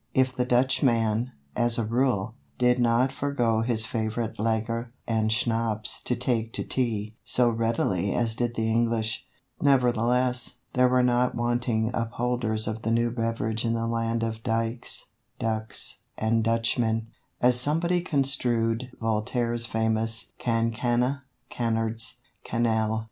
If the Dutchman, as a rule, did not forego his favourite lager and schnapps to take to Tea so readily as did the English, nevertheless, there were not wanting upholders of the new beverage in the land of "dykes, ducks, and Dutchmen," as somebody construed Voltaire's famous "cancana, canards, canaille."